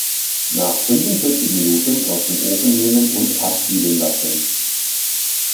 Nach fünfundvierzig Minuten aus dem Ofen nehmen und abkühlen lassen.